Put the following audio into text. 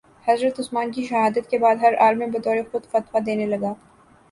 حضرت عثمان کی شہادت کے بعد ہر عالم بطورِ خود فتویٰ دینے لگا